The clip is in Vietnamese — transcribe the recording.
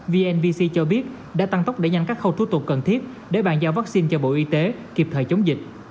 vnvc cho biết đã tăng tốc đẩy nhanh các khâu thu tục cần thiết để bàn giao vaccine cho bộ y tế kịp thời chống dịch